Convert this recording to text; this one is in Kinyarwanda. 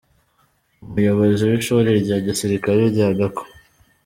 Umuyobozi w’ishuri rya gisirikare rya Gako,